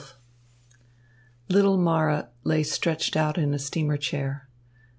XII Little Mara lay stretched out in a steamer chair.